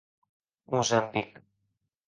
Moçambic.